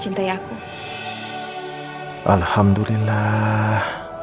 kita bisa ikut ke rumah